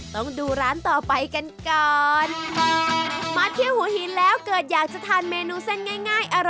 ต้องดูร้านต่อไปกันก่อนมาเที่ยวหัวหินแล้วเกิดอยากจะทานเมนูเส้นง่ายง่ายอร่อย